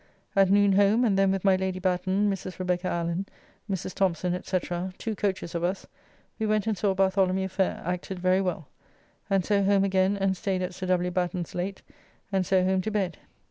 At noon home, and then with my Lady Batten, Mrs. Rebecca Allen, Mrs. Thompson, &c., two coaches of us, we went and saw "Bartholomew Fayre" acted very well, and so home again and staid at Sir W. Batten's late, and so home to bed.